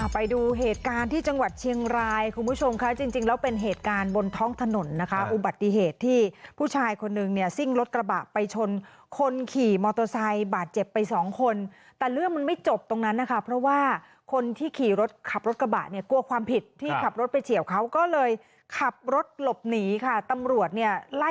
ไปดูเหตุการณ์ที่จังหวัดเชียงรายคุณผู้ชมค่ะจริงแล้วเป็นเหตุการณ์บนท้องถนนนะคะอุบัติเหตุที่ผู้ชายคนนึงเนี่ยซิ่งรถกระบะไปชนคนขี่มอเตอร์ไซค์บาดเจ็บไปสองคนแต่เรื่องมันไม่จบตรงนั้นนะคะเพราะว่าคนที่ขี่รถขับรถกระบะเนี่ยกลัวความผิดที่ขับรถไปเฉียวเขาก็เลยขับรถหลบหนีค่ะตำรวจเนี่ยไล่